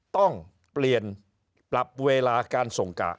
ต้องเปลี่ยนปรับเวลาการส่งกะ